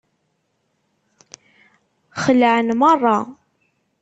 Xelεen merra.